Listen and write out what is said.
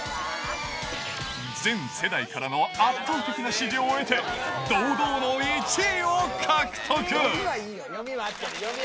全世代からの圧倒的な支持を得て、堂々の１位を獲得。